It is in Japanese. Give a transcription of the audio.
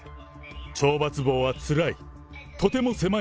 懲罰房はつらい。